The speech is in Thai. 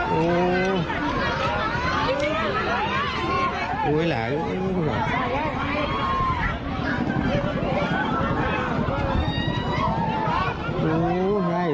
มานี่หน่อยนะโอ้อุ้ยแหล่ะอุ้ย